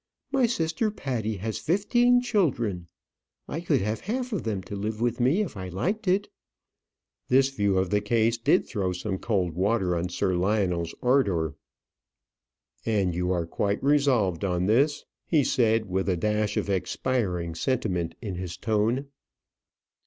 My sister Patty has fifteen children. I could have half of them to live with me if I liked it." This view of the case did throw some cold water on Sir Lionel's ardour. "And you are quite resolved on this?" he said, with a dash of expiring sentiment in his tone.